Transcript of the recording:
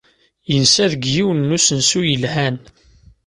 Yensa deg yiwen n usensu yelhan.